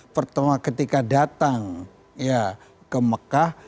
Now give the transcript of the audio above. pertama ketika datang ke mekah